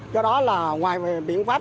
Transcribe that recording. do đó là ngoài biện pháp